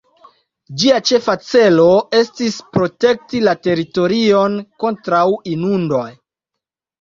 Ĝia ĉefa celo estis protekti la teritorion kontraŭ inundoj.